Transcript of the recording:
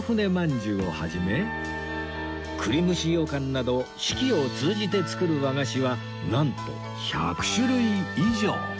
饅頭を始め栗むし羊かんなど四季を通じて作る和菓子はなんと１００種類以上